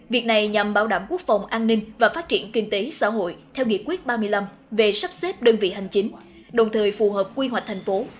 việc này nhằm bảo đảm quốc phòng an ninh và phát triển kinh tế xã hội theo nghị quyết ba mươi năm về sắp xếp đơn vị hành chính đồng thời phù hợp quy hoạch thành phố